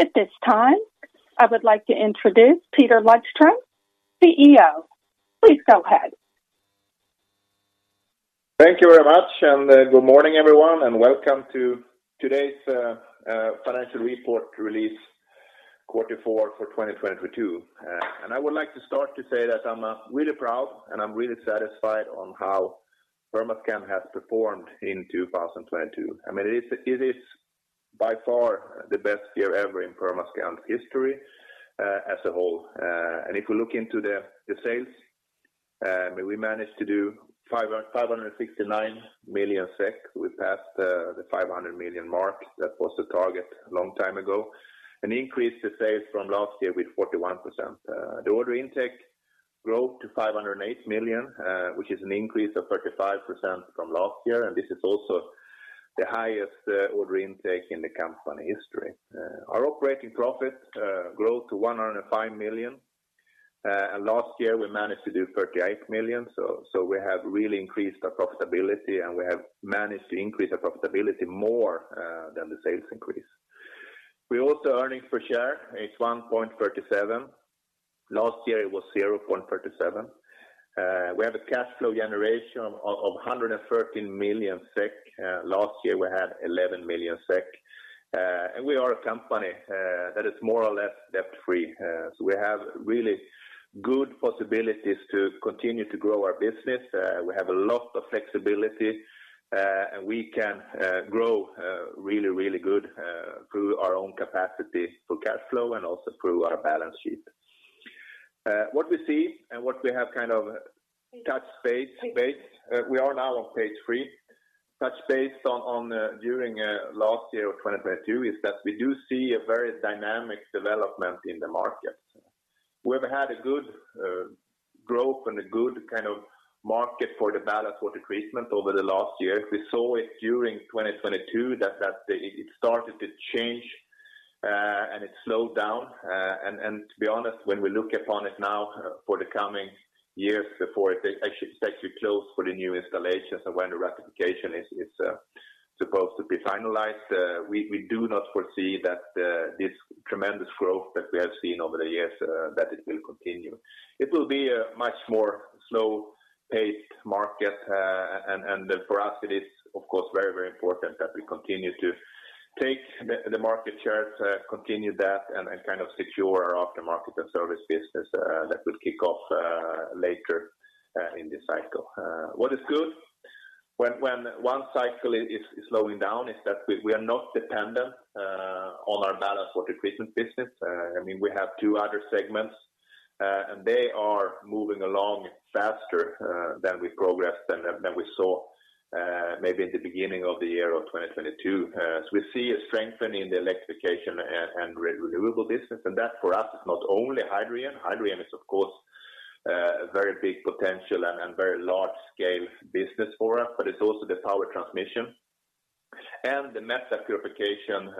At this time, I would like to introduce Peter Lundström, CEO. Please go ahead. Thank you very much, good morning, everyone, and welcome to today's financial report release Q4 for 2022. I would like to start to say that I'm really proud, and I'm really satisfied on how Permascand has performed in 2022. I mean, it is by far the best year ever in Permascand's history as a whole. If you look into the sales, we managed to do 569 million SEK. We passed the 500 million mark. That was the target long time ago. An increase to sales from last year with 41%. The order intake growth to 508 million, which is an increase of 35% from last year. This is also the highest order intake in the company history. Our operating profit grew to 105 million. Last year, we managed to do 38 million. We have really increased our profitability, and we have managed to increase our profitability more than the sales increase. We also earnings per share is 1.37. Last year, it was 0.37. We have a cash flow generation of 113 million SEK. Last year, we had 11 million SEK. We are a company that is more or less debt-free. We have really good possibilities to continue to grow our business. We have a lot of flexibility, and we can grow really, really good through our own capacity for cash flow and also through our balance sheet. What we see and what we have kind of touched base, we are now on page 3. Touch base on during last year of 2022 is that we do see a very dynamic development in the market. We've had a good growth and a good kind of market for the ballast water treatment over the last year. We saw it during 2022 that it started to change and it slowed down. To be honest, when we look upon it now for the coming years before it actually starts to close for the new installations and when the ratification is supposed to be finalized, we do not foresee that this tremendous growth that we have seen over the years, that it will continue. It will be a much more slow-paced market. For us, it is, of course, very, very important that we continue to take the market shares, continue that and kind of secure our aftermarket and service business, that will kick off later in this cycle. What is good when one cycle is slowing down is that we are not dependent on our ballast water treatment business. I mean, we have two other segments, and they are moving along faster than we progressed than we saw maybe at the beginning of the year of 2022. We see a strengthening the Electrification & Renewables business. That for us is not only hydrogen. Hydrogen is of course, a very big potential and very large scale business for us. It's also the power transmission. The metal purification,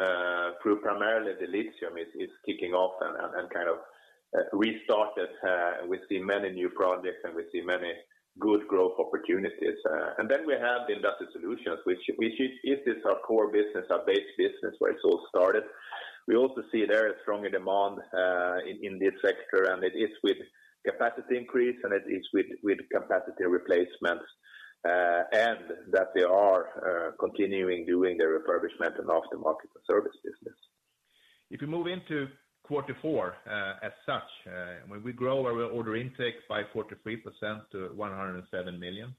through primarily the lithium, is kicking off and kind of restarted. We see many new projects. We see many good growth opportunities. We have the Industrial Solutions, which is this our core business, our base business, where it all started. We also see there a stronger demand in this sector. It is with capacity increase, and it is with capacity replacements. They are continuing doing the refurbishment and aftermarket and service business. If you move into quarter four, as such, when we grow our order intake by 43% to 107 million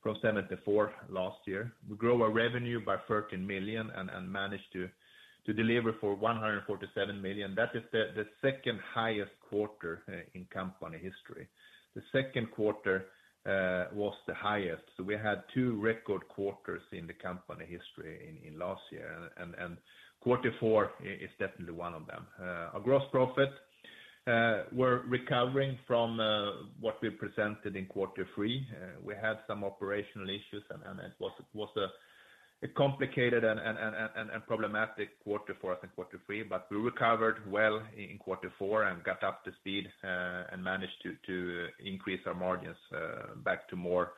from 74 million last year, we grow our revenue by 13 million and manage to deliver for 147 million. That is the second highest quarter in company history. The second quarter was the highest. We had two record quarters in the company history in last year. Quarter four is definitely one of them. Our gross profit, we're recovering from what we presented in quarter three. We had some operational issues, and it was a complicated and problematic quarter four, I think quarter three. We recovered well in quarter four and got up to speed, and managed to increase our margins, back to more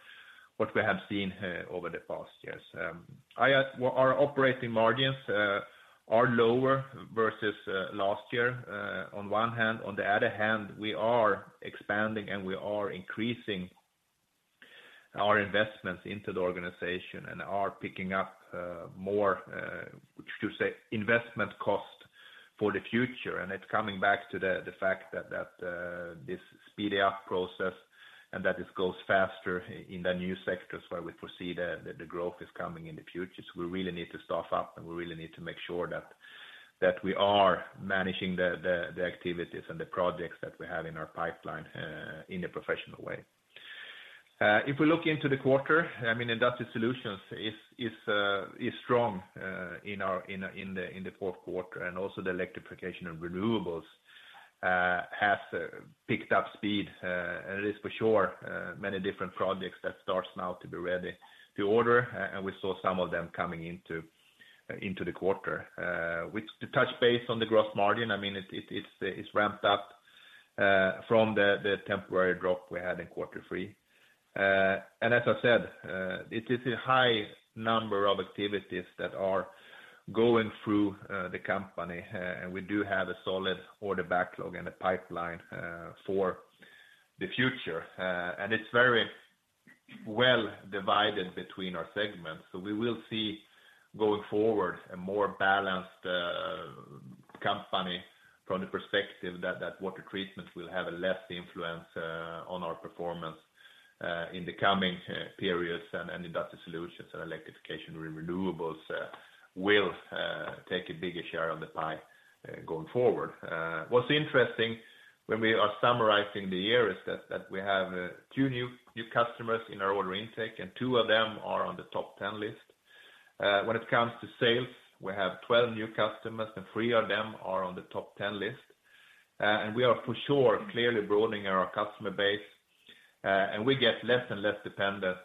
what we have seen, over the past years. Our operating margins are lower versus last year, on one hand. On the other hand, we are expanding, and we are increasing our investments into the organization and are picking up, more, to say investment cost for the future. It's coming back to the fact that this speed up process and that it goes faster in the new sectors where we foresee the growth is coming in the future. We really need to staff up, and we really need to make sure that we are managing the activities and the projects that we have in our pipeline in a professional way. If we look into the quarter, I mean, Industrial Solutions is strong in the fourth quarter, and also the Electrification & Renewables has picked up speed. And it is for sure many different projects that starts now to be ready to order, and we saw some of them coming into the quarter. With the touch base on the gross margin, I mean, it's ramped up from the temporary drop we had in quarter three. As I said, it is a high number of activities that are going through the company, and we do have a solid order backlog and a pipeline for the future. It's very well divided between our segments. We will see going forward a more balanced company from the perspective that Water Treatment will have a less influence on our performance in the coming periods, and Industrial Solutions and Electrification & Renewables will take a bigger share of the pie going forward. What's interesting when we are summarizing the year is that we have 2 new customers in our order intake, and 2 of them are on the top 10 list. When it comes to sales, we have 12 new customers, and 3 of them are on the top 10 list. We are for sure clearly broadening our customer base, and we get less and less dependent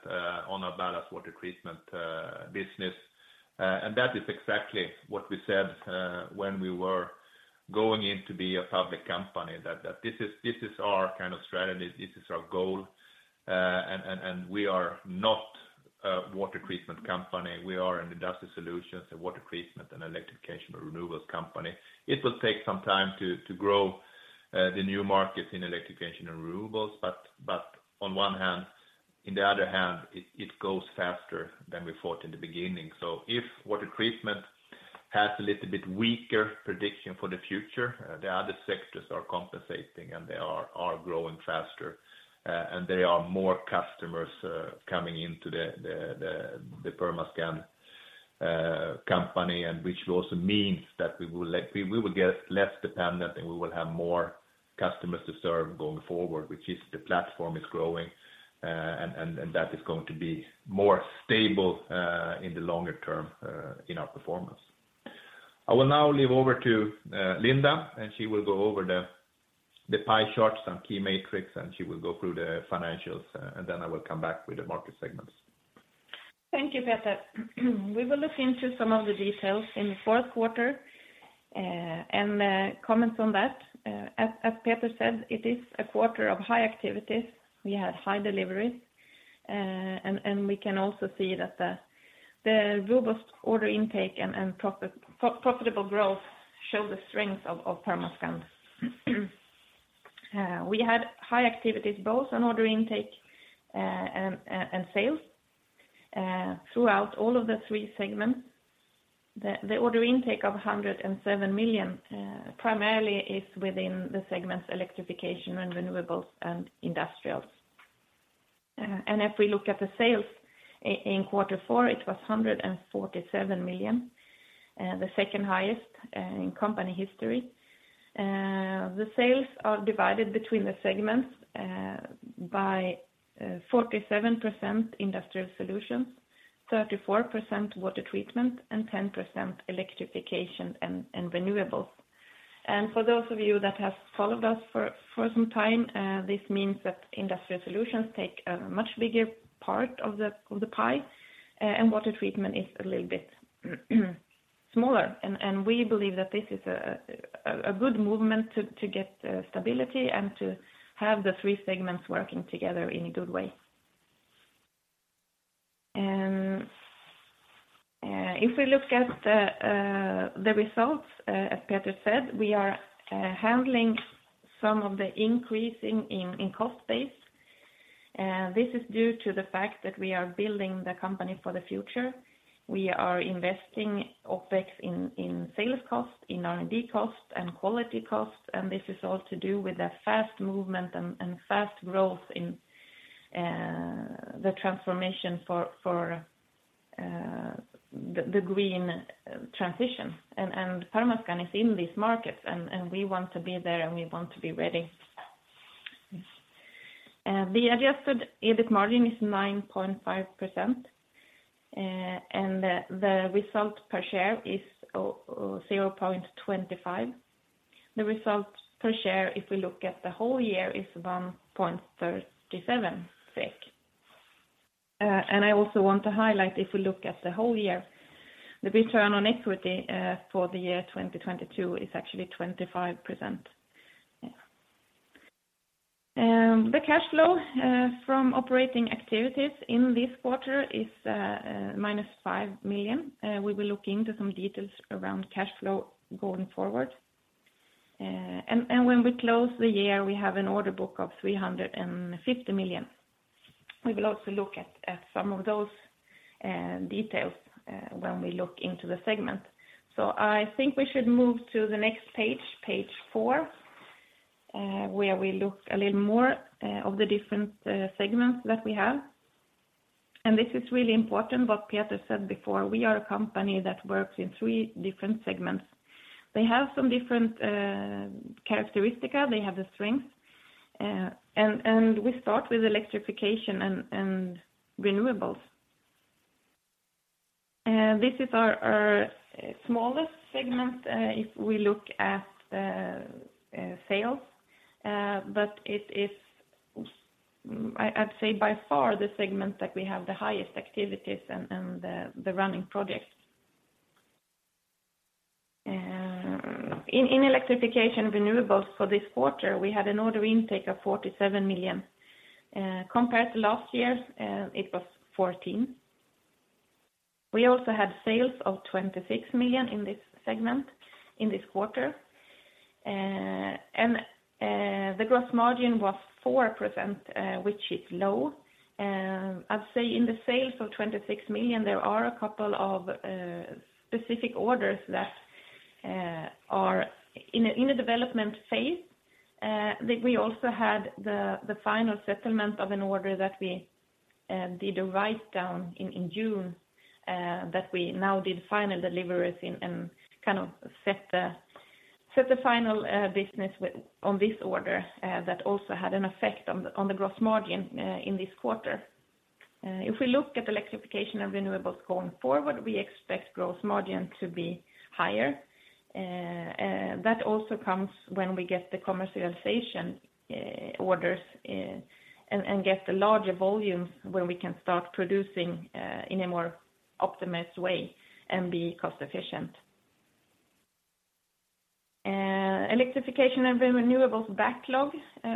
on our ballast water treatment business. That is exactly what we said when we were going in to be a public company that this is our kind of strategy, this is our goal, and we are not a Water Treatment company. We are an Industrial Solutions and Water Treatment and Electrification & Renewables company. It will take some time to grow the new markets in Electrification & Renewables. On the other hand, it goes faster than we thought in the beginning. If Water Treatment has a little bit weaker prediction for the future, the other sectors are compensating, and they are growing faster. There are more customers coming into the Permascand company, and which also means that we will get less dependent, and we will have more customers to serve going forward, which is the platform is growing, and that is going to be more stable in the longer term in our performance. I will now leave over to Linda, and she will go over the pie charts and key metrics, and she will go through the financials, and then I will come back with the market segments. Thank you, Peter. We will look into some of the details in the fourth quarter and comment on that. As Peter said, it is a quarter of high activities. We had high deliveries, and we can also see that the robust order intake and profitable growth show the strength of Permascand. We had high activities both on order intake and sales throughout all of the three segments. The order intake of 107 million primarily is within the segments Electrification & Renewables and Industrials. If we look at the sales in quarter four, it was 147 million, the second highest in company history. The sales are divided between the segments by 47% Industrial Solutions, 34% Water Treatment, and 10% Electrification and Renewables. For those of you that have followed us for some time, this means that Industrial Solutions take a much bigger part of the pie, and Water Treatment is a little bit smaller. We believe that this is a good movement to get stability and to have the three segments working together in a good way. If we look at the results, as Peter said, we are handling some of the increasing in cost base. This is due to the fact that we are building the company for the future. We are investing OpEx in sales cost, in R&D cost, and quality cost, and this is all to do with the fast movement and fast growth in the transformation for the green transition. Permascand is in this market, and we want to be there, and we want to be ready. The adjusted EBIT margin is 9.5%, and the result per share is 0.25 SEK. The result per share, if we look at the whole year, is 1.37 SEK. I also want to highlight, if we look at the whole year, the return on equity for the year 2022 is actually 25%. Yeah. The cash flow from operating activities in this quarter is minus 5 million. We will look into some details around cash flow going forward. When we close the year, we have an order book of 350 million. We will also look at some of those details, when we look into the segment. I think we should move to the next page 4, where we look a little more of the different segments that we have. This is really important what Peter said before. We are a company that works in three different segments. They have some different characteristic. They have the strengths. We start with Electrification and Renewables. This is our smallest segment, if we look at sales, but it is, I'd say by far the segment that we have the highest activities and the running projects. In Electrification & Renewables for this quarter, we had an order intake of 47 million, compared to last year's, it was 14 million. We also had sales of 26 million in this segment in this quarter. And the gross margin was 4%, which is low. I'd say in the sales of 26 million, there are a couple of specific orders that are in a development phase, that we also had the final settlement of an order that we did a write down in June, that we now did final deliveries in and kind of set the final business with on this order, that also had an effect on the gross margin in this quarter. If we look at Electrification & Renewables going forward, we expect gross margin to be higher. That also comes when we get the commercialization orders and get the larger volumes when we can start producing in a more optimized way and be cost efficient. Electrification & Renewables backlog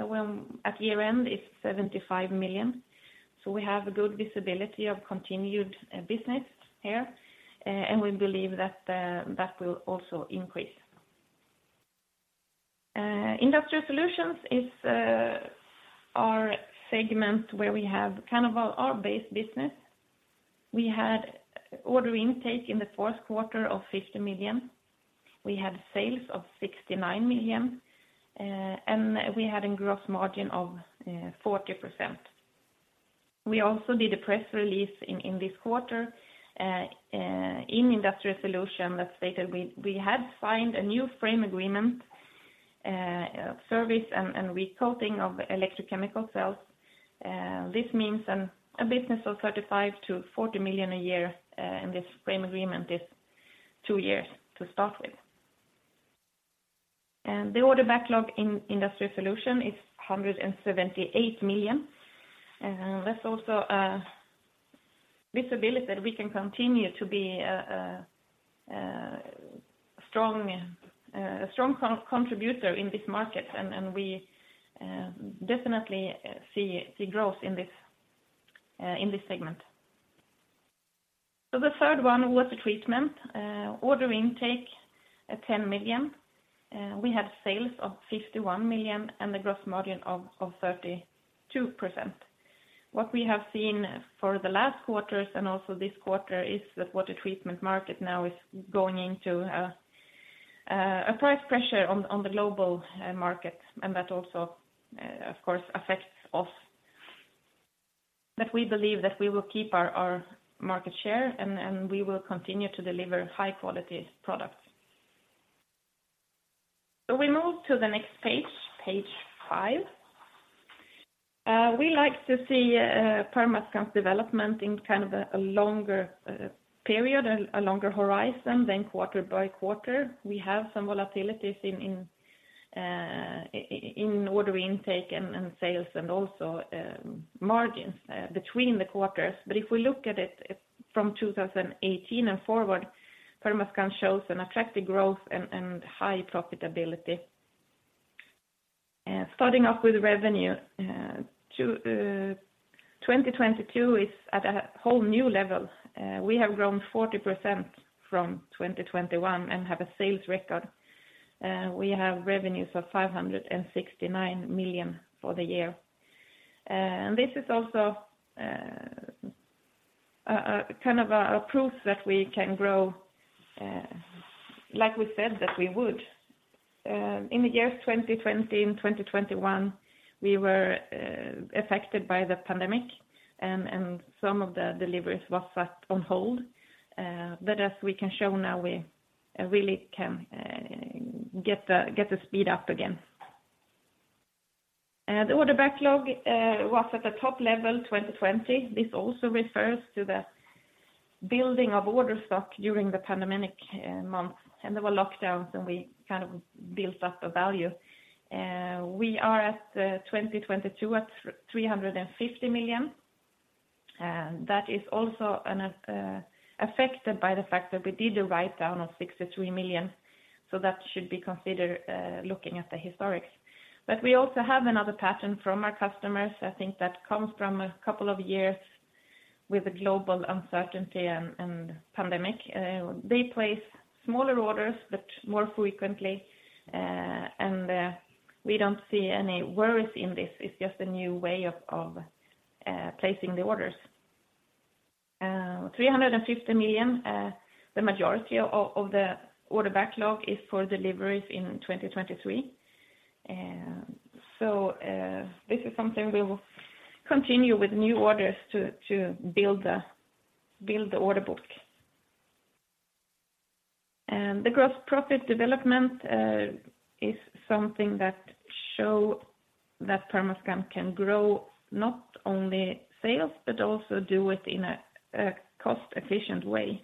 when at year-end is 75 million. We have a good visibility of continued business here, and we believe that that will also increase. Industrial Solutions is our segment where we have kind of our base business. We had order intake in the fourth quarter of 50 million. We had sales of 69 million, and we had a gross margin of 40%. We also did a press release in this quarter in Industrial Solutions that stated we had signed a new frame agreement, service and recoating of electrochemical cells. This means a business of 35 million-40 million a year, in this frame agreement is two years to start with. The order backlog in Industrial Solutions is 178 million. That's also visibility that we can continue to be a strong contributor in this market. And we definitely see growth in this segment. The third one was the Water Treatment order intake at 10 million. We had sales of 51 million and the gross margin of 32%. What we have seen for the last quarters and also this quarter is the Water Treatment market now is going into a price pressure on the global market, and that also of course affects us. But we believe that we will keep our market share and we will continue to deliver high quality products. We move to the next page 5. We like to see Permascand's development in kind of a longer period, a longer horizon than quarter by quarter. We have some volatilities in order intake and sales and also margins between the quarters. If we look at it from 2018 and forward, Permascand shows an attractive growth and high profitability. Starting off with revenue, 2022 is at a whole new level. We have grown 40% from 2021 and have a sales record. We have revenues of 569 million for the year. And this is also a kind of a proof that we can grow like we said that we would. In the years 2020 and 2021, we were affected by the pandemic and some of the deliveries was set on hold, but as we can show now, we really can get the speed up again. The order backlog was at a top level 2020. This also refers to the building of order stock during the pandemic months. There were lockdowns, and we kind of built up a value. We are at 2022 at 350 million. That is also affected by the fact that we did a write-down of 63 million, so that should be considered looking at the historics. We also have another pattern from our customers, I think that comes from a couple of years with a global uncertainty and pandemic. They place smaller orders, but more frequently, we don't see any worries in this. It's just a new way of placing the orders. 350 million, the majority of the order backlog is for deliveries in 2023. This is something we will continue with new orders to build the order book. The gross profit development is something that show that Permascand can grow not only sales, but also do it in a cost efficient way.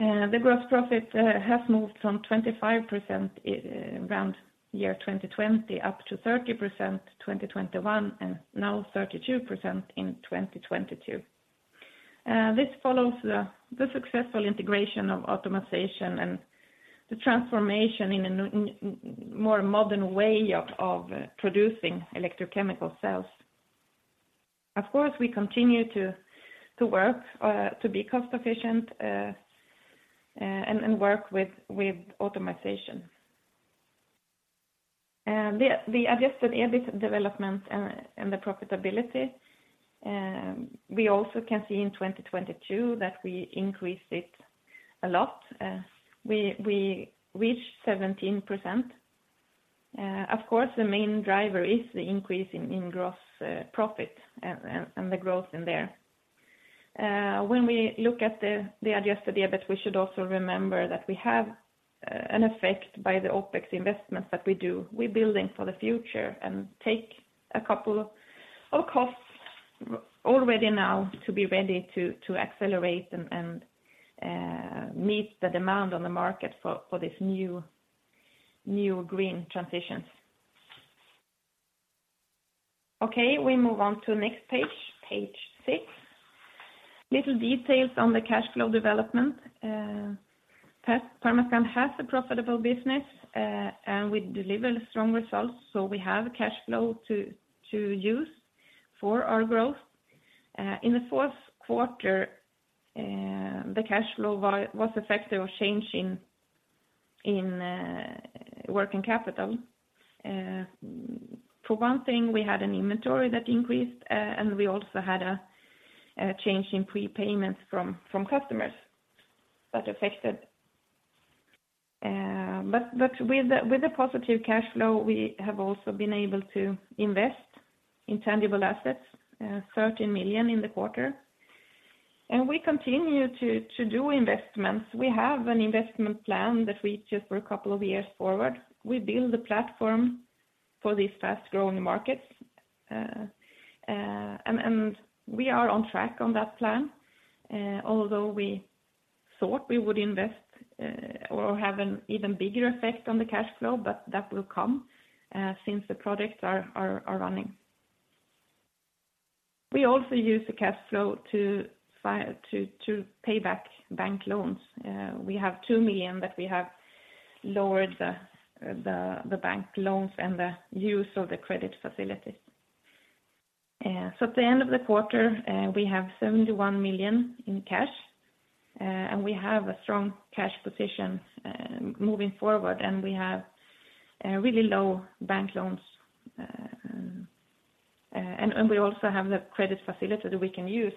The gross profit has moved from 25% around year 2020 up to 30% 2021, and now 32% in 2022. This follows the successful integration of optimization and the transformation in a new, in more modern way of producing electrochemical cells. Of course, we continue to work to be cost efficient and work with optimization. The adjusted EBIT development and the profitability, we also can see in 2022 that we increased it a lot. We reached 17%. Of course, the main driver is the increase in gross profit and the growth in there. When we look at the adjusted EBIT, we should also remember that we have an effect by the OpEx investments that we do. We're building for the future and take a couple of costs already now to be ready to accelerate and meet the demand on the market for this new green transitions. Okay, we move on to next page 6. Little details on the cash flow development. Permascand has a profitable business, and we deliver strong results, we have cash flow to use for our growth. In the fourth quarter, the cash flow was affected or changing in working capital. For one thing, we had an inventory that increased, and we also had a change in prepayments from customers that affected. With the positive cash flow, we have also been able to invest in tangible assets, 13 million in the quarter. We continue to do investments. We have an investment plan that reaches for a couple of years forward. We build the platform for these fast-growing markets, and we are on track on that plan, although we thought we would invest or have an even bigger effect on the cash flow, but that will come since the projects are running. We also use the cash flow to pay back bank loans. We have 2 million that we have lowered the bank loans and the use of the credit facilities. At the end of the quarter, we have 71 million in cash, and we have a strong cash position moving forward, and we have really low bank loans. We also have the credit facility that we can use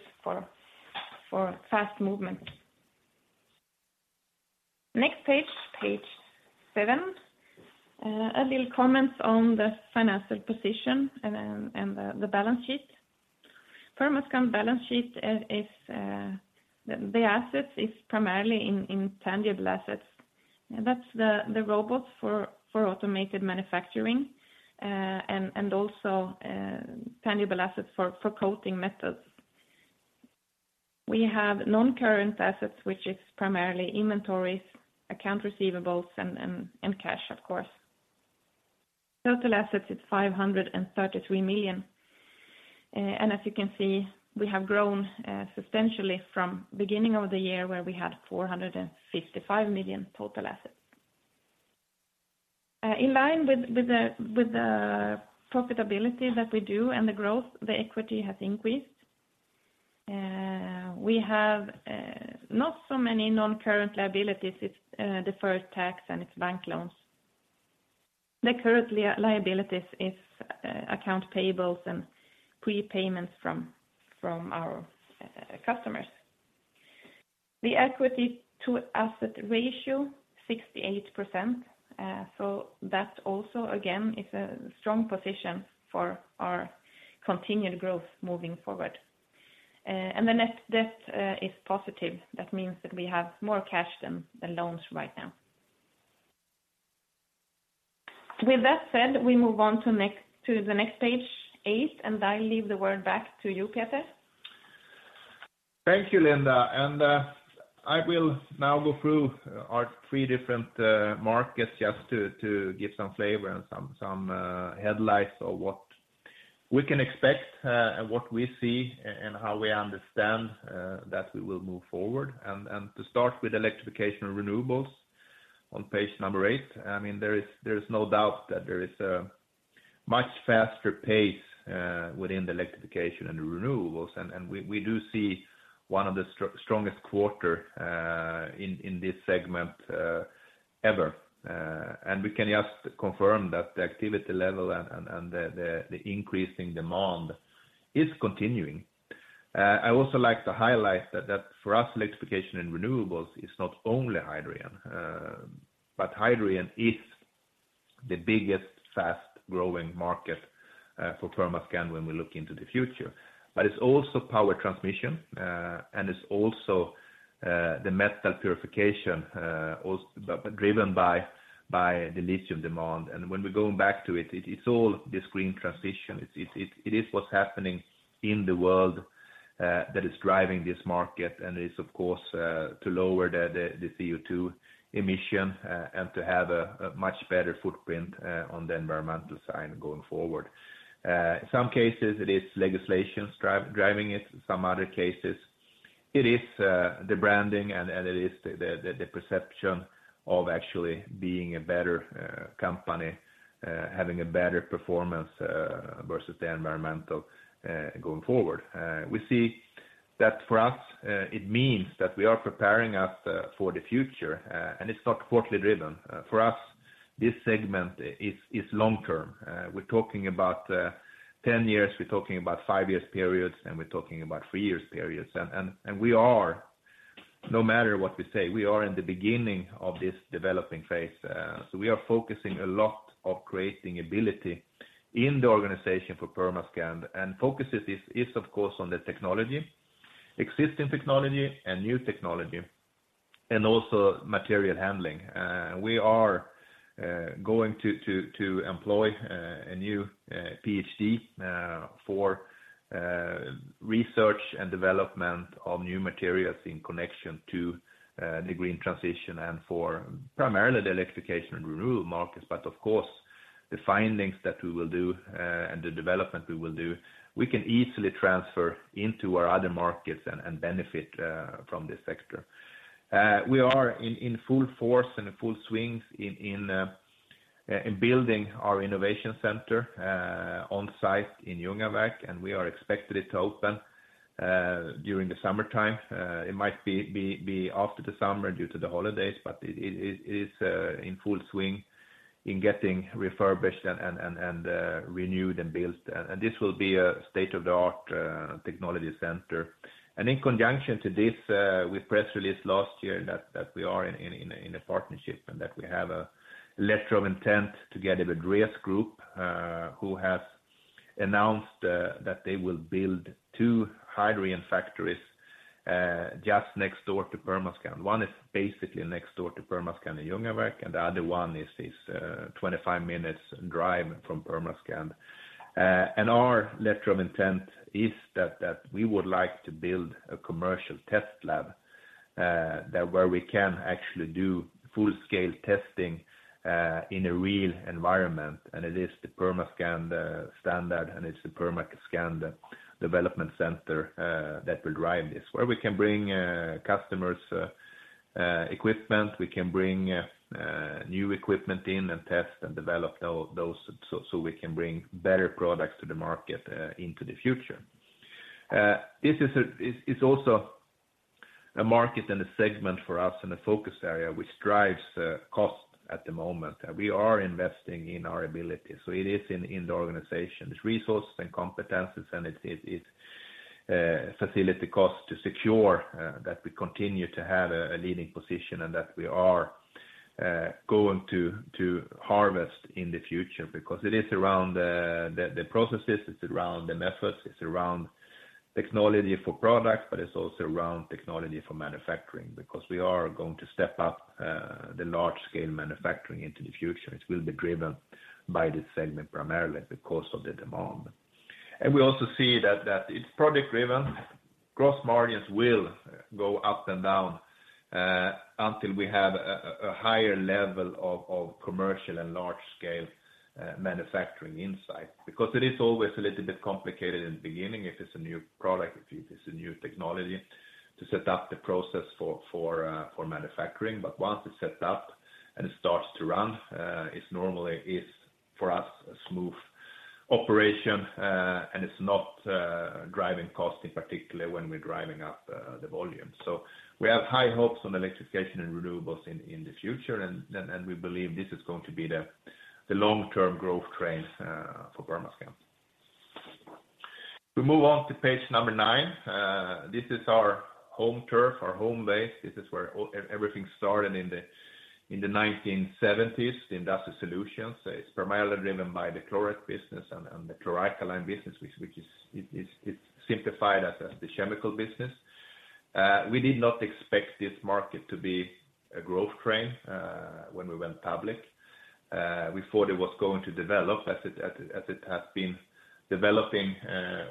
for fast movement. Next page 7. A little comments on the financial position and the balance sheet. Permascand balance sheet is the assets is primarily in tangible assets. That's the robots for automated manufacturing and also tangible assets for coating methods. We have non-current assets, which is primarily inventories, account receivables and cash, of course. Total assets is 533 million. As you can see, we have grown substantially from beginning of the year where we had 455 million total assets. In line with the profitability that we do and the growth, the equity has increased. We have not so many non-current liabilities. It's deferred tax, and it's bank loans. The current liabilities is account payables and prepayments from our customers. The equity to asset ratio, 68%. That also again is a strong position for our continued growth moving forward. The net debt is positive. That means that we have more cash than the loans right now. With that said, we move on to the next page 8, and I leave the word back to you, Peter. Thank you, Linda. I will now go through our three different markets just to give some flavor and some headlights of what we can expect and what we see and how we understand that we will move forward. To start with Electrification & Renewables on page 8, I mean, there is no doubt that there is a much faster pace within the Electrification & Renewables. We do see one of the strongest quarter in this segment ever. We can just confirm that the activity level and the increasing demand is continuing. I also like to highlight that for us, Electrification & Renewables is not only Hydrogen, but Hydrogen is the biggest fast-growing market for Permascand when we look into the future. It's also power transmission, and it's also the metal purification, but driven by the lithium demand. When we're going back to it's all this green transition. It is what's happening in the world that is driving this market and is, of course, to lower the CO2 emission and to have a much better footprint on the environmental side going forward. In some cases, it is legislation driving it. Some other cases. It is the branding and it is the perception of actually being a better company, having a better performance versus the environmental going forward. We see that for us, it means that we are preparing us for the future, and it's not quarterly driven. For us, this segment is long-term. We're talking about 10 years, we're talking about five years periods, and we're talking about three years periods. We are no matter what we say, we are in the beginning of this developing phase. So we are focusing a lot of creating ability in the organization for Permascand. Focus is, of course, on the technology, existing technology and new technology, and also material handling. We are going to employ a new PhD for research and development of new materials in connection to the green transition and for primarily the Electrification & Renewables markets. Of course, the findings that we will do and the development we will do, we can easily transfer into our other markets and benefit from this sector. We are in full force and full swings in building our innovation center on site in Ljungby, and we are expected it to open during the summertime. It might be after the summer due to the holidays, but it is in full swing in getting refurbished and renewed and built. This will be a state-of-the-art technology center. In conjunction to this, with press release last year that we are in a partnership and that we have a letter of intent together with RES Group, who has announced that they will build 2 hydrogen factories just next door to Permascand. One is basically next door to Permascand in Ljungby, and the other one is 25 minutes drive from Permascand. Our letter of intent is that we would like to build a commercial test lab that where we can actually do full-scale testing in a real environment. It is the Permascand standard, and it's the Permascand Development Center that will drive this. Where we can bring customers' equipment, we can bring new equipment in and test and develop those so we can bring better products to the market into the future. This is also a market and a segment for us and a focus area which drives cost at the moment. We are investing in our ability, so it is in the organization's resources and competencies, and it's facility cost to secure that we continue to have a leading position and that we are going to harvest in the future because it is around the processes, it's around the methods, it's around technology for products, but it's also around technology for manufacturing because we are going to step up the large scale manufacturing into the future. It will be driven by this segment primarily because of the demand. We also see that it's product driven. Gross margins will go up and down until we have a higher level of commercial and large scale manufacturing insight, because it is always a little bit complicated in the beginning if it's a new product, if it's a new technology to set up the process for manufacturing. Once it's set up and it starts to run, it's normally is for us a smooth operation, and it's not driving cost in particular when we're driving up the volume. We have high hopes on Electrification & Renewables in the future and we believe this is going to be the long-term growth trend for Permascand. We move on to page number nine. This is our home turf, our home base. This is where everything started in the 1970s, the Industrial Solutions. It's primarily driven by the chlorate business and the chloralkali business, which is simplified as the chemical business. We did not expect this market to be a growth trend when we went public. We thought it was going to develop as it has been developing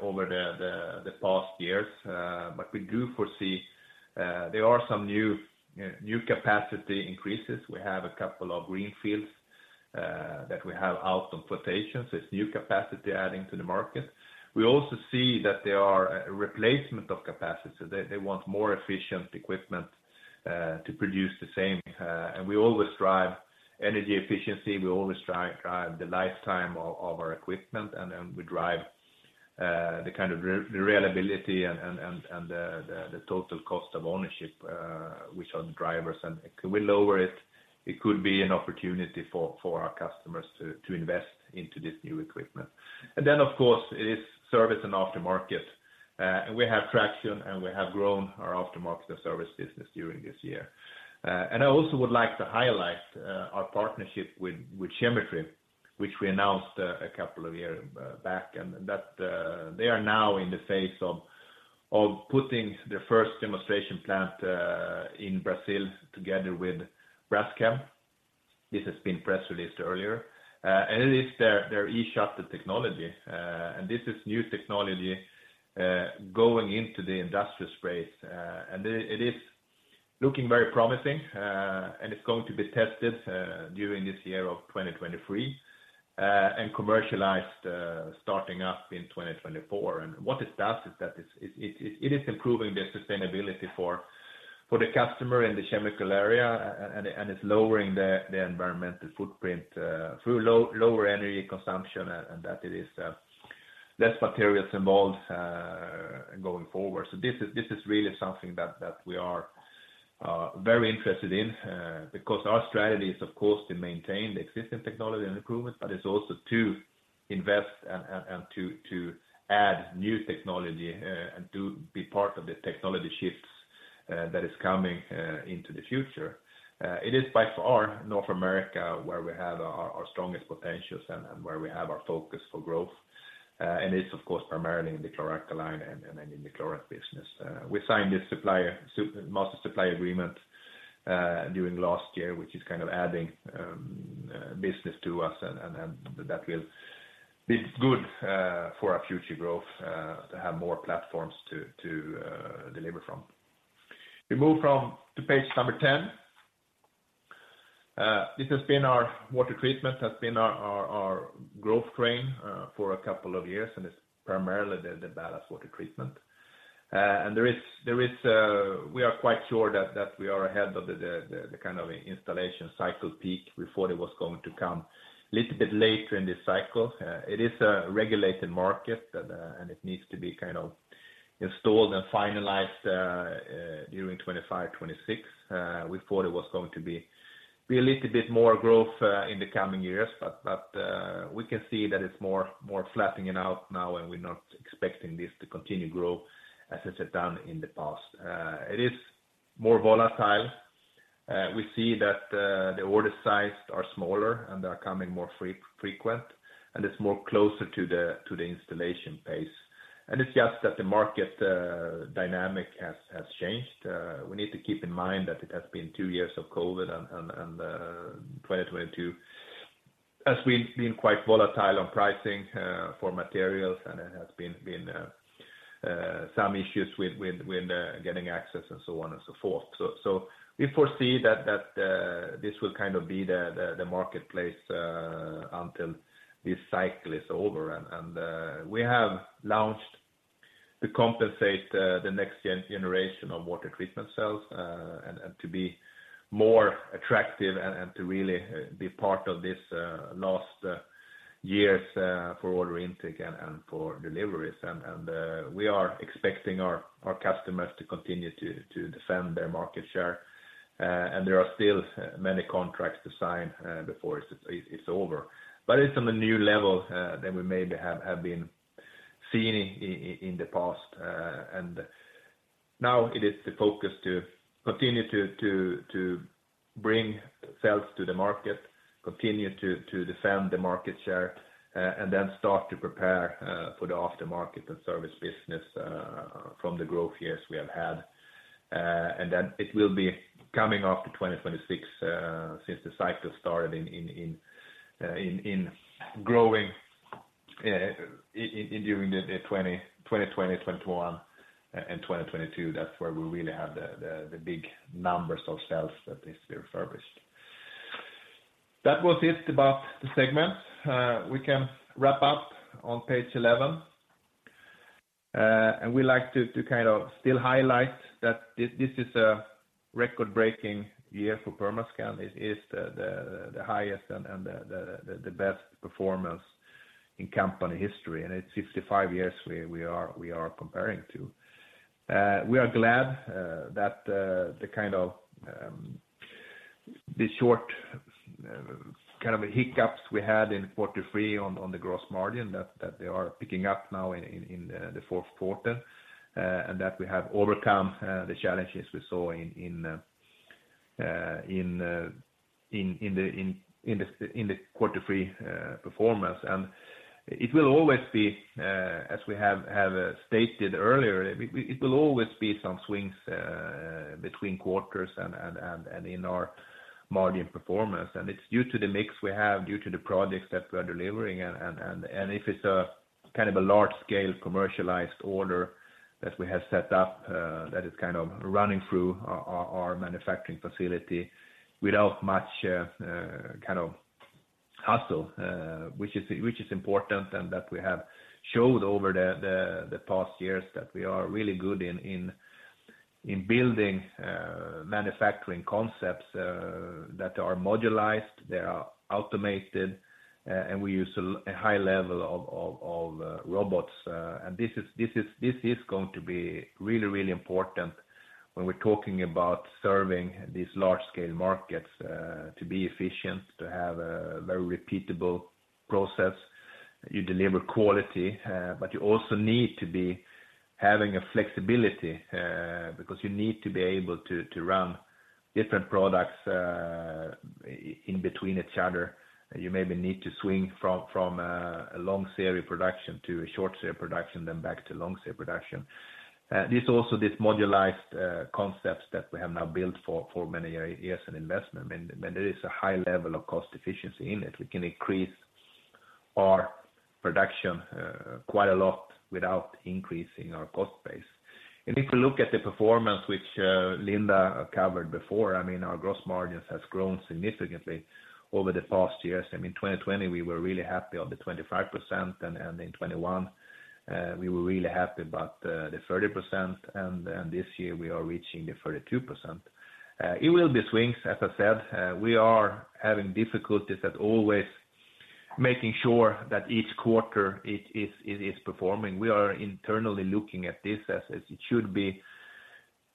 over the past years. We do foresee there are some new capacity increases. We have a couple of greenfields that we have out on quotation, it's new capacity adding to the market. We also see that there are a replacement of capacity. They want more efficient equipment to produce the same. We always drive energy efficiency, we always drive the lifetime of our equipment, and we drive the kind of reliability and the total cost of ownership, which are the drivers. Can we lower it? It could be an opportunity for our customers to invest into this new equipment. Of course, it is service and aftermarket. We have traction, and we have grown our aftermarket or service business during this year. I also would like to highlight our partnership with Chemetry, which we announced a couple of year back, and that they are now in the phase of putting the first demonstration plant in Brazil together with Braskem. This has been press released earlier. It is their eShuttle technology. This is new technology going into the industrial space. It is looking very promising, and it's going to be tested during this year of 2023, and commercialized starting up in 2024. What it does is that it's improving the sustainability for the customer in the chemical area and it's lowering the environmental footprint through lower energy consumption and that it is less materials involved going forward. This is really something that we are very interested in, because our strategy is of course to maintain the existing technology and improvements, but it's also to invest and to add new technology and to be part of the technology shifts that is coming into the future. It is by far North America, where we have our strongest potentials and where we have our focus for growth. It's of course primarily in the chlor-alkali and then in the chlorate business. We signed this Master Supply Agreement during last year, which is kind of adding business to us and that will be good for our future growth to have more platforms to deliver from. We move to page number 10. This has been our Water Treatment, has been our growth train for a couple of years, it's primarily the ballast water treatment. There is, we are quite sure that we are ahead of the kind of installation cycle peak. We thought it was going to come little bit later in this cycle. It is a regulated market, and it needs to be kind of installed and finalized during 2025, 2026. We thought it was going to be a little bit more growth in the coming years, but we can see that it's more flattening out now and we're not expecting this to continue grow as it had done in the past. It is more volatile. We see that the order size are smaller and they are coming more frequent, and it's more closer to the installation pace. It's just that the market dynamic has changed. We need to keep in mind that it has been 2 years of COVID and 2022 has been quite volatile on pricing for materials, and it has been some issues with getting access and so on and so forth. We foresee that this will kind of be the marketplace until this cycle is over. We have launched to compensate the next generation of Water Treatment cells and to be more attractive and to really be part of this last years for order intake and for deliveries. We are expecting our customers to continue to defend their market share, and there are still many contracts to sign before it's over. It's on a new level than we maybe have been seeing in the past. Now it is the focus to continue to bring sales to the market, continue to defend the market share, and then start to prepare for the aftermarket and service business from the growth years we have had. Then it will be coming after 2026, since the cycle started in growing during the 2020, 2021 and 2022, that's where we really have the big numbers of sales that needs to be refurbished. That was it about the segment. We can wrap up on page 11. We like to kind of still highlight that this is a record-breaking year for Permascand. It is the highest and the best performance in company history. It's 65 years we are comparing to. We are glad that the kind of the short kind of hiccups we had in quarter 3 on the gross margin that they are picking up now in the fourth quarter, and that we have overcome the challenges we saw in the quarter 3 performance. It will always be, as we have stated earlier, it will always be some swings between quarters and in our margin performance. It's due to the mix we have, due to the projects that we are delivering. If it's a kind of a large-scale commercialized order that we have set up, that is kind of running through our manufacturing facility without much kind of hustle, which is important and that we have showed over the past years that we are really good in building manufacturing concepts that are modularized, they are automated, and we use a high level of robots. This is going to be really important when we're talking about serving these large-scale markets, to be efficient, to have a very repeatable process. You deliver quality, but you also need to be having a flexibility, because you need to be able to run different products in between each other. You maybe need to swing from a long series production to a short series production, then back to long series production. This also modularized concepts that we have now built for many years and investment mean there is a high level of cost efficiency in it. We can increase our production quite a lot without increasing our cost base. If you look at the performance which Linda covered before, I mean, our gross margins has grown significantly over the past years. I mean, 2020, we were really happy on the 25%. In 2021, we were really happy about the 30%. This year we are reaching the 32%. It will be swings as I said. We are having difficulties at always making sure that each quarter it is performing. We are internally looking at this as it should be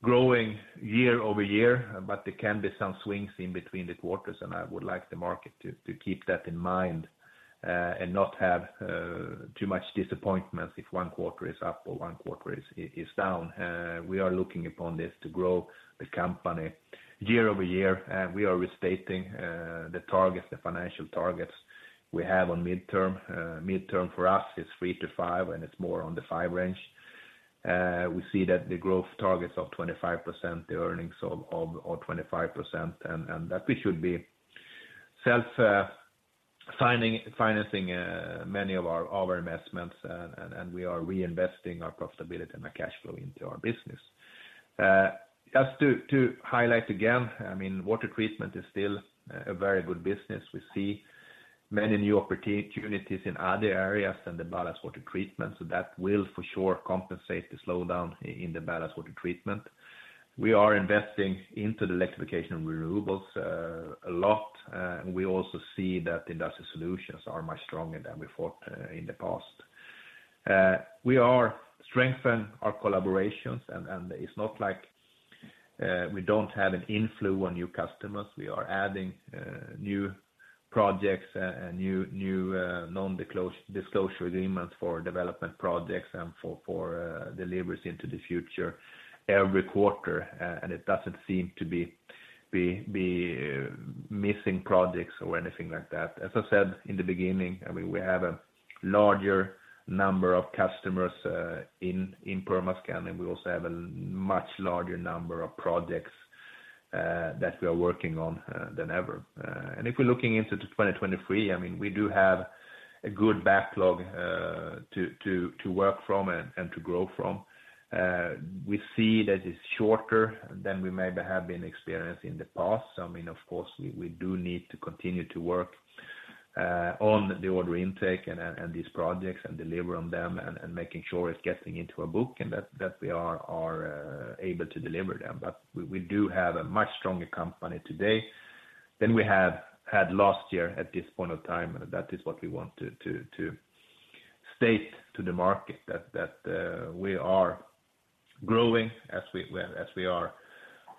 growing year-over-year, there can be some swings in between the quarters, I would like the market to keep that in mind and not have too much disappointments if one quarter is up or one quarter is down. We are looking upon this to grow the company year-over-year. We are restating the targets, the financial targets we have on midterm. Midterm for us is 3-5, and it's more on the 5 range. We see that the growth targets of 25%, the earnings of 25%, and that we should be self-financing many of our investments and we are reinvesting our profitability and the cash flow into our business. Just to highlight again, I mean, Water Treatment is still a very good business. We see many new opportunities in other areas than the ballast water treatment, so that will for sure compensate the slowdown in the ballast water treatment. We are investing into the Electrification & Renewables a lot, and we also see that Industrial Solutions are much stronger than we thought in the past. We are strengthen our collaborations and it's not like we don't have an inflow on new customers. We are adding new projects, new non-disclosure agreements for development projects and for deliveries into the future every quarter. It doesn't seem to be missing projects or anything like that. As I said in the beginning, I mean, we have a larger number of customers in Permascand, and we also have a much larger number of projects that we are working on than ever. If we're looking into 2023, I mean, we do have a good backlog to work from and to grow from. We see that it's shorter than we maybe have been experienced in the past. I mean, of course, we do need to continue to work on the order intake and these projects and deliver on them and making sure it's getting into a book and that we are able to deliver them. We do have a much stronger company today than we have had last year at this point of time, and that is what we want to state to the market that we are growing as we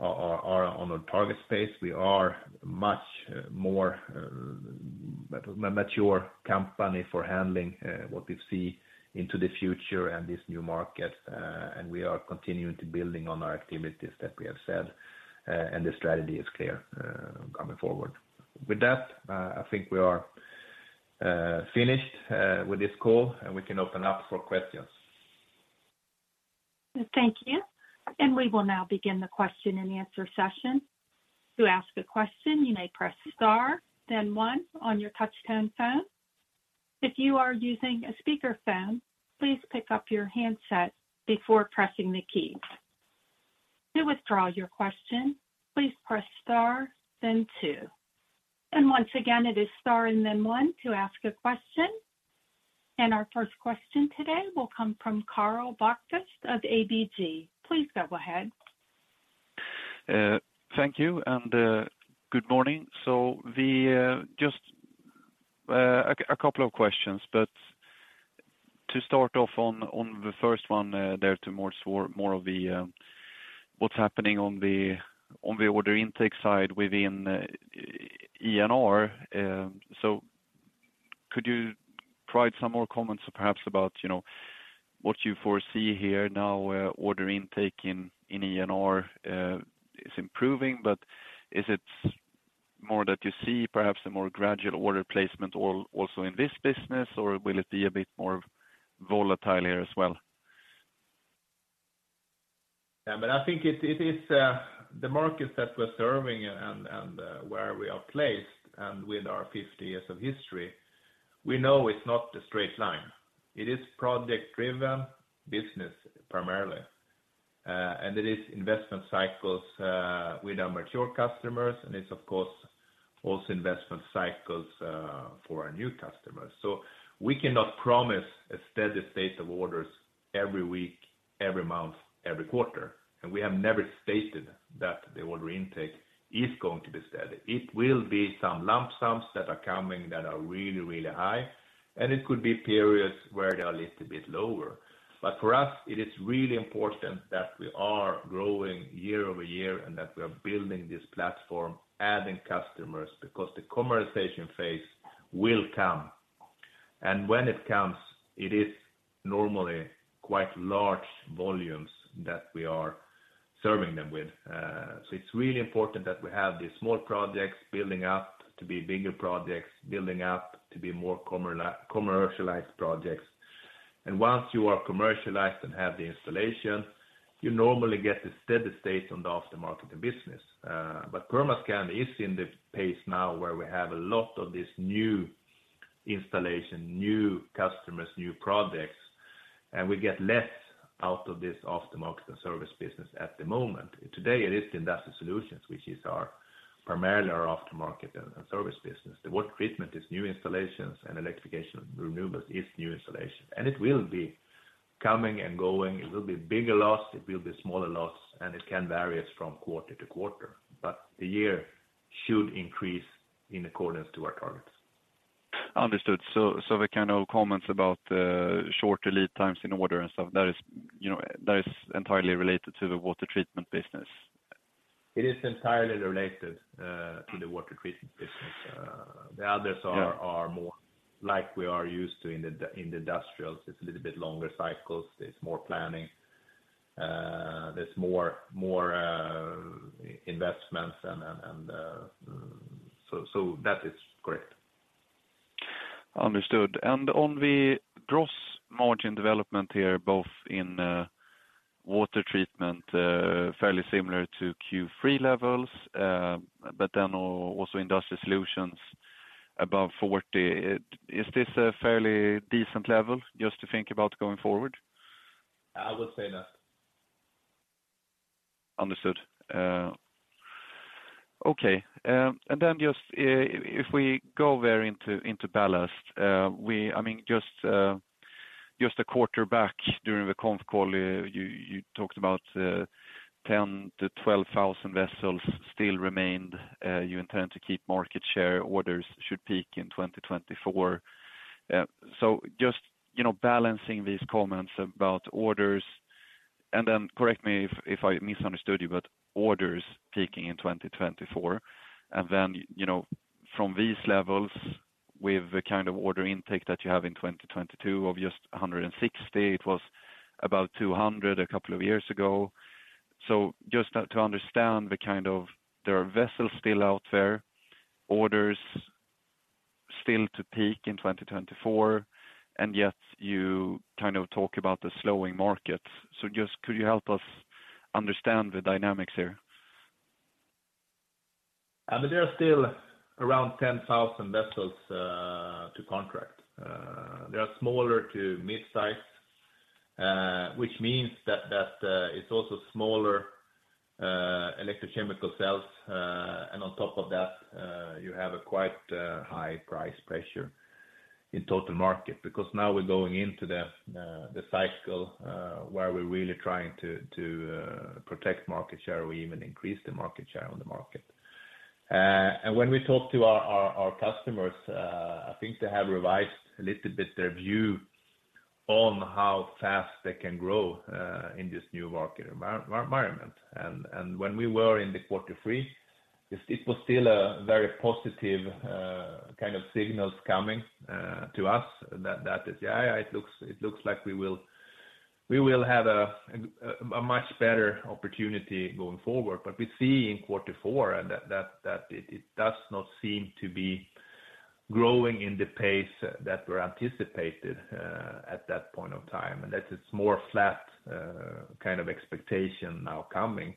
are on a target space. We are much more mature company for handling what we see into the future and this new market, and we are continuing to building on our activities that we have said, and the strategy is clear coming forward. With that, I think we are finished with this call, and we can open up for questions. Thank you. We will now begin the question and answer session. To ask a question, you may press star, then 1 on your touchtone phone. If you are using a speaker phone, please pick up your handset before pressing the keys. To withdraw your question, please press star, then 2. Once again, it is star and then 1 to ask a question. Our first question today will come from Carl Barchaeus of ABG. Please go ahead. Thank you, and good morning. We just a couple of questions. To start off on the first one, there to more of the what's happening on the order intake side within ENR. Could you provide some more comments perhaps about, you know, what you foresee here now, order intake in ENR is improving, but is it more that you see perhaps a more gradual order placement also in this business, or will it be a bit more volatile here as well? I think it is the markets that we're serving and where we are placed and with our 50 years of history, we know it's not a straight line. It is project-driven business primarily, and it is investment cycles with our mature customers, and it's of course, also investment cycles for our new customers. We cannot promise a steady state of orders every week, every month, every quarter. We have never stated that the order intake is going to be steady. It will be some lump sums that are coming that are really, really high, and it could be periods where they are a little bit lower. For us, it is really important that we are growing year-over-year and that we are building this platform, adding customers, because the commercialization phase will come. When it comes, it is normally quite large volumes that we are serving them with. It's really important that we have these small projects building up to be bigger projects, building up to be more commercialized projects. Once you are commercialized and have the installation, you normally get a steady state on the aftermarket of business. Permascand is in the pace now where we have a lot of this new installation, new customers, new projects, and we get less out of this aftermarket and service business at the moment. Today, it is the Industrial Solutions, which is our primarily our aftermarket and service business. The Water Treatment is new installations and Electrification & Renewables is new installation. It will be coming and going. It will be bigger loss, it will be smaller loss, and it can vary us from quarter to quarter. The year should increase in accordance to our targets. Understood. The kind of comments about short lead times in order and stuff that is, you know, that is entirely related to the Water Treatment business. It is entirely related to the Water Treatment business. Yeah are more like we are used to in the industrials. It's a little bit longer cycles. There's more planning. There's more investments and that is correct. Understood. On the gross margin development here, both in Water Treatment, fairly similar to Q3 levels, also Industrial Solutions above 40%. Is this a fairly decent level just to think about going forward? I would say that. Understood. Okay. Just, if we go there into ballast, I mean, just a quarter back during the conf call, you talked about, 10 to 12 thousand vessels still remained. You intend to keep market share, orders should peak in 2024. Just, you know, balancing these comments about orders, and then correct me if I misunderstood you, but orders peaking in 2024, and then, you know, from these levels with the kind of order intake that you have in 2022 of just 160, it was about 200 a couple of years ago. Just to understand the kind of, there are vessels still out there, orders still to peak in 2024, and yet you kind of talk about the slowing market. Just could you help us understand the dynamics here? I mean, there are still around 10,000 vessels to contract. They are smaller to mid-size, which means that it's also smaller electrochemical cells. On top of that, you have a quite high price pressure in total market, because now we're going into the cycle where we're really trying to protect market share, we even increase the market share on the market. When we talk to our customers, I think they have revised a little bit their view on how fast they can grow in this new market environment. When we were in the quarter three, it was still a very positive, kind of signals coming to us that is, yeah, it looks like we will have a much better opportunity going forward. We see in quarter four and that it does not seem to be growing in the pace that were anticipated, at that point of time, and that it's more flat, kind of expectation now coming.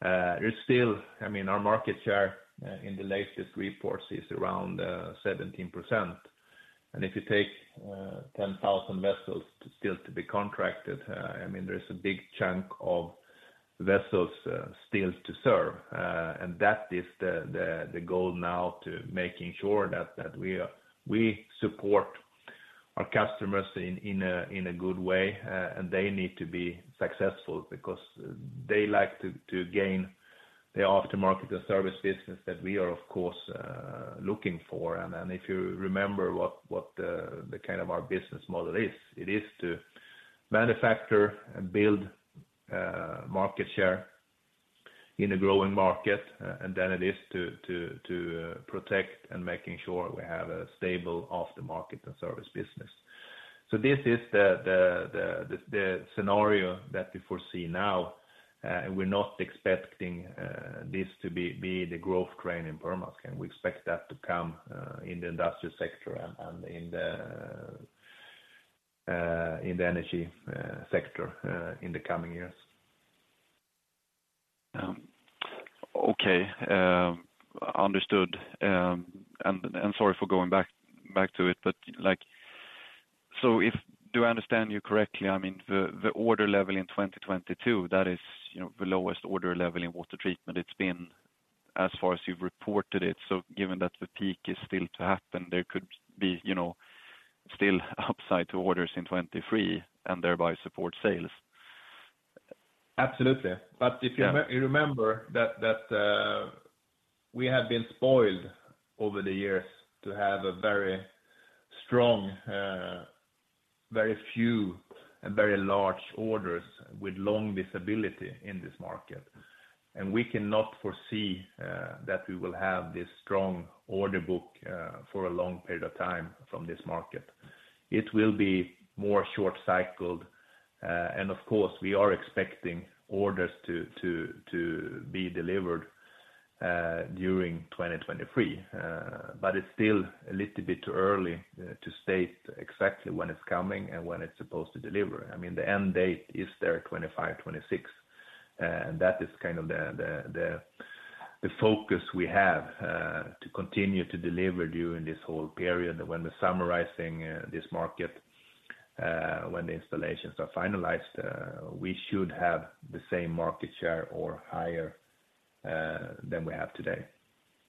There's still... I mean, our market share in the latest reports is around 17%. If you take 10,000 vessels to still to be contracted, I mean, there's a big chunk of vessels still to serve. That is the goal now to making sure that we support our customers in a good way, and they need to be successful because they like to gain the aftermarket or service business that we are of course looking for. If you remember what the kind of our business model is, it is to manufacture and build market share in a growing market, and then it is to protect and making sure we have a stable off the market and service business. This is the scenario that we foresee now, and we're not expecting this to be the growth crane in Permascand. We expect that to come in the industrial sector and in the energy sector in the coming years. Okay. Understood. Sorry for going back to it, do I understand you correctly, I mean, the order level in 2022, that is, you know, the lowest order level in Water Treatment it's been as far as you've reported it. Given that the peak is still to happen, there could be, you know, still upside to orders in 2023 and thereby support sales. Absolutely. Yeah. If you re-remember that, we have been spoiled over the years to have a very strong, very few and very large orders with long visibility in this market. We cannot foresee that we will have this strong order book for a long period of time from this market. It will be more short-cycled. Of course, we are expecting orders to be delivered during 2023. It's still a little bit too early to state exactly when it's coming and when it's supposed to deliver. I mean, the end date is there 2025, 2026, and that is kind of the focus we have to continue to deliver during this whole period when we're summarizing this market when the installations are finalized, we should have the same market share or higher than we have today.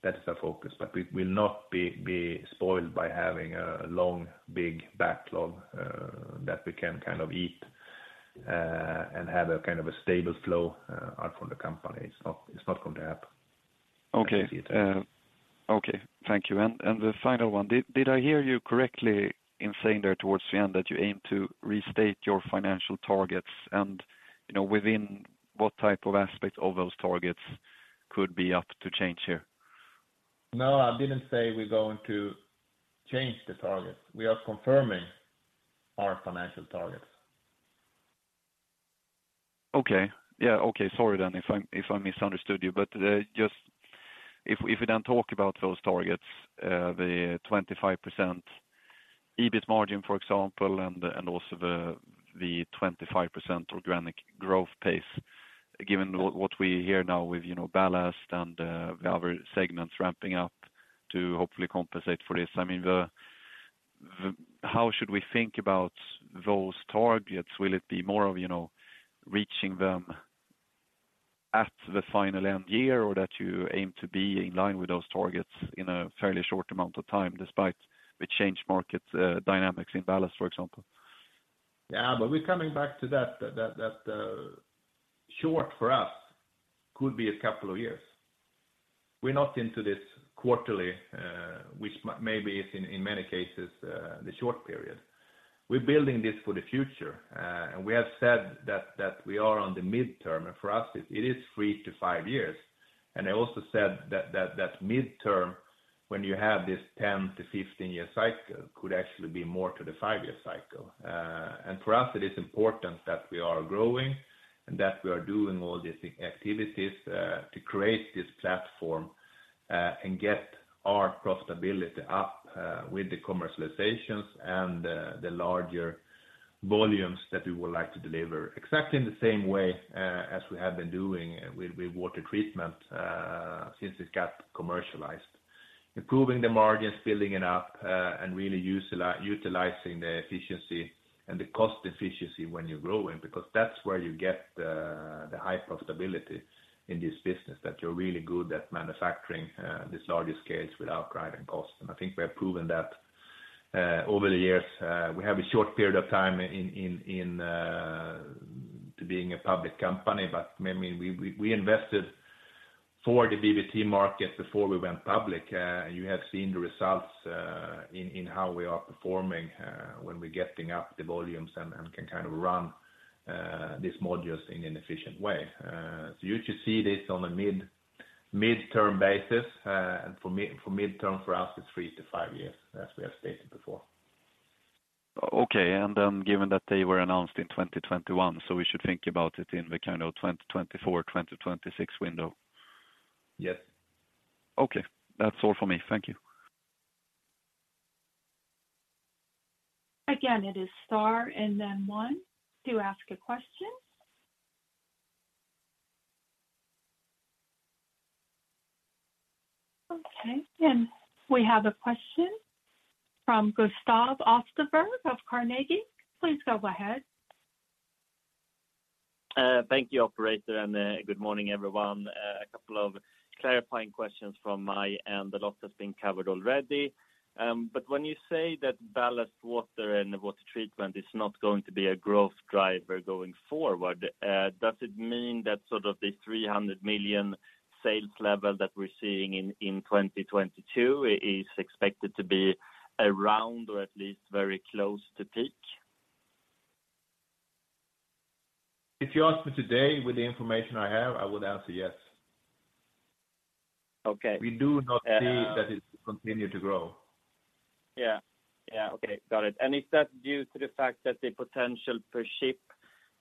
That's our focus. We will not be spoiled by having a long, big backlog that we can kind of eat and have a kind of a stable flow out from the company. It's not going to happen. Okay. Okay. Thank you. The final one, Did I hear you correctly in saying there towards the end that you aim to restate your financial targets and, you know, within what type of aspects of those targets could be up to change here? No, I didn't say we're going to change the targets. We are confirming our financial targets. Okay. Yeah, okay. Sorry then if I, if I misunderstood you. Just if we then talk about those targets, the 25% EBIT margin, for example, and also the 25% organic growth pace, given what we hear now with, you know, ballast and the other segments ramping up to hopefully compensate for this. I mean, how should we think about those targets? Will it be more of, you know, reaching them at the final end year or that you aim to be in line with those targets in a fairly short amount of time despite the changed market dynamics in ballast, for example? We're coming back to that short for us could be a couple of years. We're not into this quarterly, which maybe is in many cases, the short period. We're building this for the future, and we have said that we are on the midterm. For us, it is 3 to 5 years. I also said that midterm, when you have this 10 to 15-year cycle, could actually be more to the 5-year cycle. For us it is important that we are growing and that we are doing all these activities to create this platform and get our profitability up with the commercializations and the larger volumes that we would like to deliver. Exactly in the same way, as we have been doing with Water Treatment, since it got commercialized. Improving the margins, building it up, and really utilizing the efficiency and the cost efficiency when you're growing, because that's where you get the high profitability in this business, that you're really good at manufacturing, these larger scales without driving costs. I think we have proven that over the years. We have a short period of time in, in, to being a public company, but I mean, we, we invested for the BWT market before we went public. You have seen the results in how we are performing, when we're getting up the volumes and can kind of run, these modules in an efficient way. You should see this on a midterm basis. For midterm, for us, it's 3 to 5 years, as we have stated before. Okay. Given that they were announced in 2021, we should think about it in the kind of 2024-2026 window? Yes. Okay. That's all for me. Thank you. Again, it is star and then one to ask a question. Okay. We have a question from Gustav Österberg of Carnegie. Please go ahead. Thank you, operator, good morning, everyone. A couple of clarifying questions from my end. A lot has been covered already. When you say that ballast water and water treatment is not going to be a growth driver going forward, does it mean that sort of the 300 million sales level that we're seeing in 2022 is expected to be around or at least very close to peak? If you ask me today with the information I have, I would answer yes. Okay. We do not see that it continue to grow. Yeah. Yeah. Okay. Got it. Is that due to the fact that the potential per ship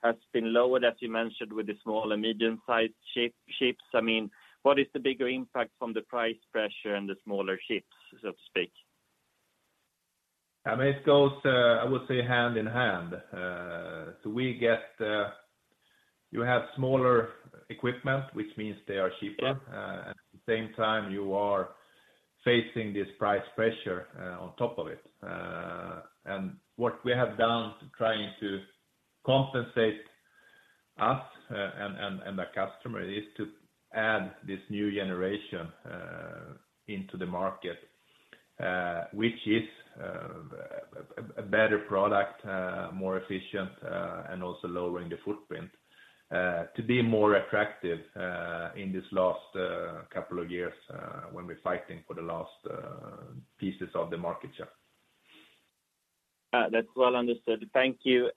has been lowered, as you mentioned, with the small and medium-sized ships? I mean, what is the bigger impact from the price pressure and the smaller ships, so to speak? I mean, it goes, I would say hand in hand. We get, you have smaller equipment, which means they are cheaper. Yeah. At the same time, you are facing this price pressure on top of it. What we have done trying to compensate us and the customer is to add this new generation into the market, which is a better product, more efficient, and also lowering the footprint to be more attractive in this last couple of years, when we're fighting for the last pieces of the market share. That's well understood. Thank you.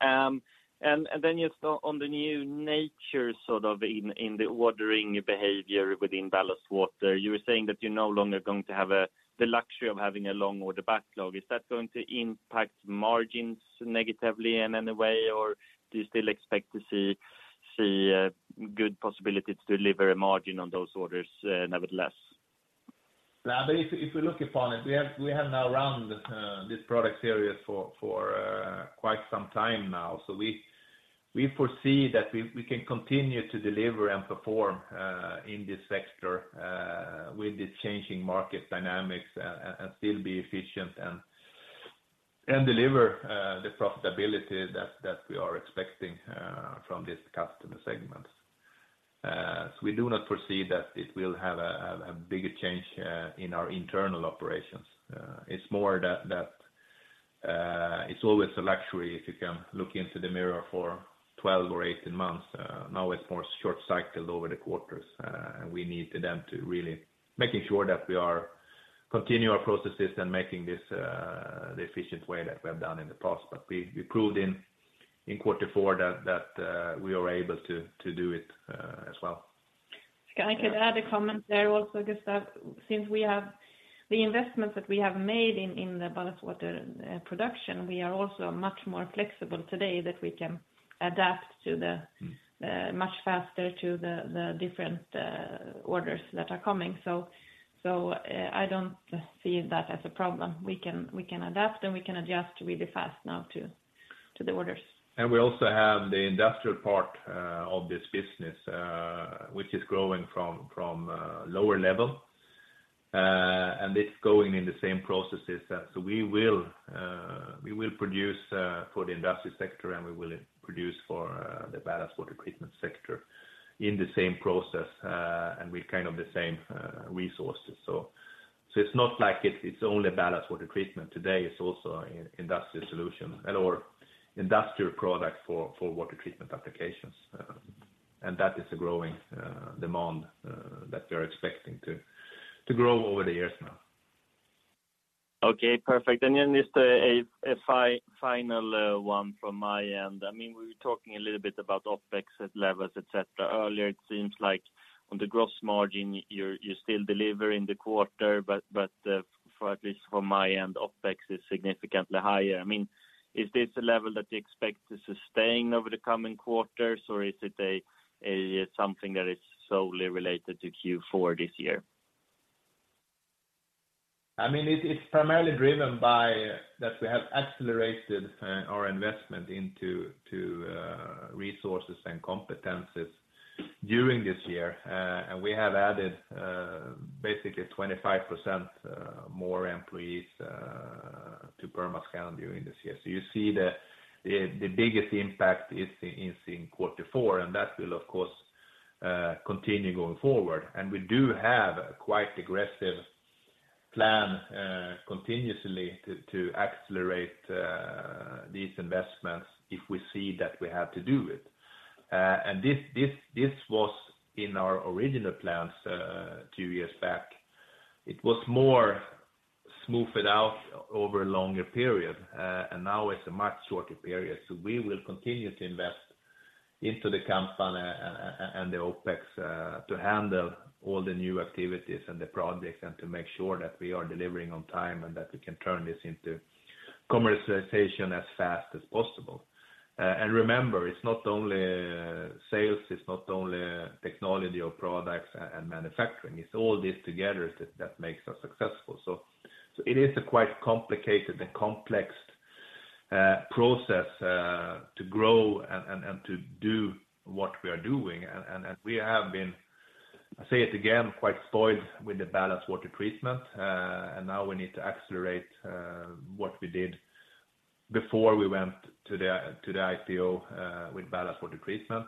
Just on the new nature, sort of in the ordering behavior within ballast water, you were saying that you're no longer going to have the luxury of having a long order backlog. Is that going to impact margins negatively in any way, or do you still expect to See a good possibility to deliver a margin on those orders, nevertheless? Now, if we look upon it, we have now run this product series for quite some time now. We foresee that we can continue to deliver and perform in this sector, with the changing market dynamics and still be efficient and deliver the profitability that we are expecting from this customer segment. We do not foresee that it will have a bigger change in our internal operations. It's more that it's always a luxury if you can look into the mirror for 12 or 18 months. Now it's more short cycled over the quarters. We need them to really making sure that we are continue our processes and making this the efficient way that we have done in the past. We proved in quarter four that we are able to do it as well. I can add a comment there also, Gustav. Since we have the investments that we have made in the ballast water production, we are also much more flexible today that we can adapt to. Mm. much faster to the different orders that are coming. I don't see that as a problem. We can adapt, and we can adjust really fast now to the orders. We also have the industrial part of this business, which is growing from lower level. It's going in the same processes. So we will produce for the industrial sector, and we will produce for the ballast water treatment sector in the same process, and with kind of the same resources. It's not like it's only ballast water treatment. Today, it's also industrial solution or industrial product for water treatment applications. That is a growing demand that we are expecting to grow over the years now. Okay, perfect. Just a final one from my end. We were talking a little bit about OpEx levels, et cetera, earlier. It seems like on the gross margin you're still delivering the quarter, but for at least from my end, OpEx is significantly higher. Is this a level that you expect to sustain over the coming quarters, or is it something that is solely related to Q4 this year? I mean, it's primarily driven by that we have accelerated our investment into resources and competencies during this year. We have added basically 25% more employees to Permascand during this year. You see the biggest impact is in quarter four, and that will, of course, continue going forward. We do have a quite aggressive plan continuously to accelerate these investments if we see that we have to do it. This was in our original plans 2 years back. It was more smoothed out over a longer period, and now it's a much shorter period. We will continue to invest into the CapEx and the OpEx to handle all the new activities and the projects, and to make sure that we are delivering on time, and that we can turn this into commercialization as fast as possible. Remember, it's not only sales, it's not only technology or products and manufacturing. It's all this together that makes us successful. It is a quite complicated and complex process to grow and to do what we are doing. We have been, I say it again, quite spoiled with the ballast water treatment. Now we need to accelerate what we did before we went to the IPO with ballast water treatment.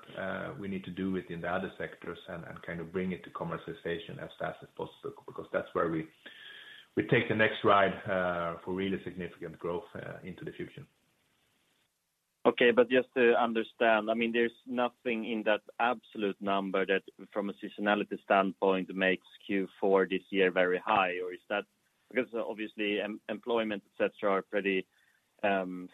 We need to do it in the other sectors and kind of bring it to commercialization as fast as possible because that's where we take the next ride for really significant growth into the future. Okay. Just to understand, I mean, there's nothing in that absolute number that from a seasonality standpoint makes Q4 this year very high. Is that because obviously employment, et cetera, are pretty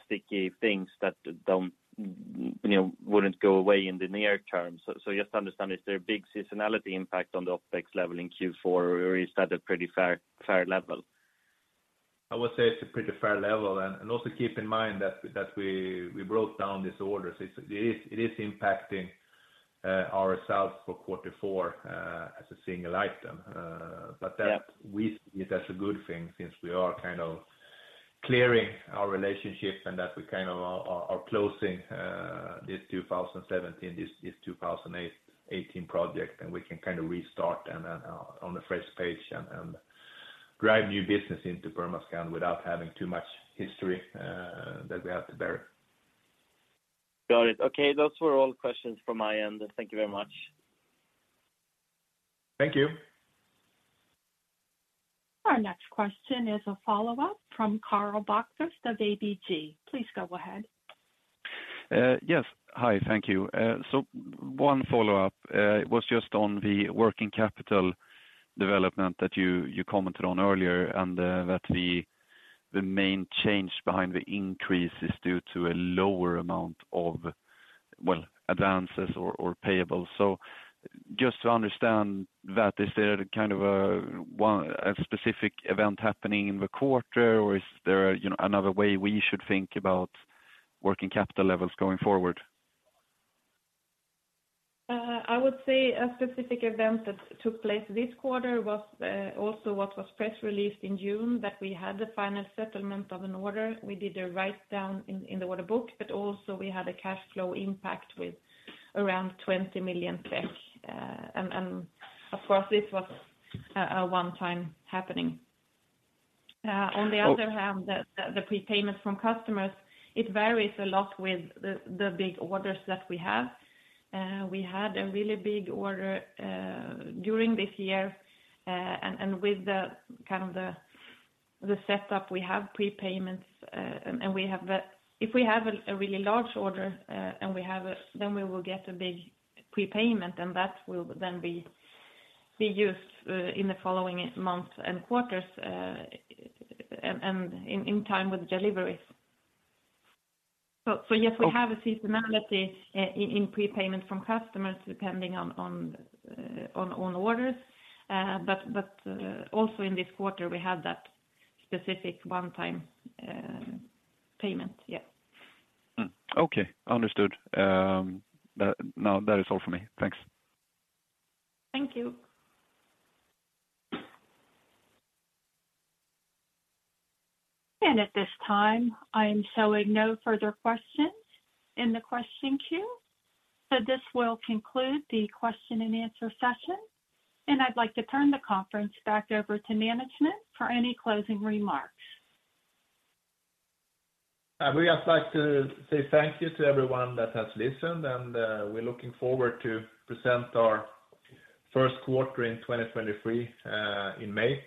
sticky things that don't, you know, wouldn't go away in the near term. Just to understand, is there a big seasonality impact on the OpEx level in Q4, or is that a pretty fair level? I would say it's a pretty fair level. Also keep in mind that we broke down these orders. It is impacting our sales for quarter four as a single item. Yeah. That we see it as a good thing since we are kind of clearing our relationship and that we kind of are closing this 2017, this 2018 project, and we can kind of restart and on a fresh page and drive new business into Permascand without having too much history that we have to bear. Got it. Okay. Those were all questions from my end. Thank you very much. Thank you. Our next question is a follow-up from Carl Barchaeus of ABG. Please go ahead. Yes. Hi, thank you. One follow-up was just on the working capital development that you commented on earlier, and that the main change behind the increase is due to a lower amount of, well, advances or payables. Just to understand that, is there kind of a specific event happening in the quarter, or is there, you know, another way we should think about working capital levels going forward? I would say a specific event that took place this quarter was also what was press released in June that we had the final settlement of an order. We did a write-down in the order book, but also we had a cash flow impact with around 20 million SEK. Of course, this was a one-time happening. On the other hand, the prepayment from customers, it varies a lot with the big orders that we have. We had a really big order during this year, and with the kind of the setup, we have prepayments, and if we have a really large order, then we will get a big prepayment, and that will then be used in the following months and quarters, and in time with deliveries. Yes, we have a seasonality in prepayment from customers depending on orders. Also in this quarter, we had that specific one time payment. Yes. Mm. Okay. Understood. No, that is all for me. Thanks. Thank you. At this time, I am showing no further questions in the question queue. This will conclude the question and answer session, and I'd like to turn the conference back over to management for any closing remarks. We just like to say thank you to everyone that has listened, we're looking forward to present our first quarter in 2023 in May.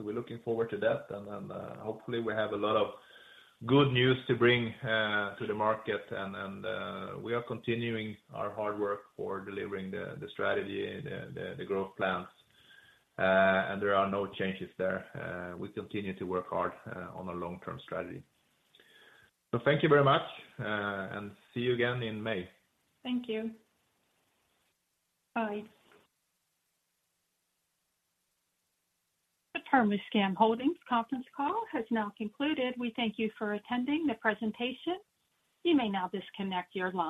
We're looking forward to that. Hopefully we have a lot of good news to bring to the market, and we are continuing our hard work for delivering the strategy, the growth plans. There are no changes there. We continue to work hard on a long-term strategy. Thank you very much, and see you again in May. Thank you. Bye. The Permascand Top Holding conference call has now concluded. We thank you for attending the presentation. You may now disconnect your line